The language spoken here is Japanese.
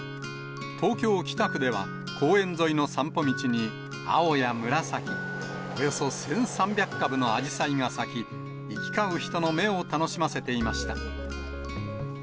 東京・北区では、公園沿いの散歩道に、青や紫、およそ１３００株のあじさいが咲き、行き交う人の目を楽しませていました。